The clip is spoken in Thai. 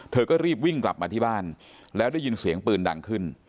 เธอก็รีบวิ่งกลับมาที่บ้านแล้วได้ยินเสียงปืนดังขึ้น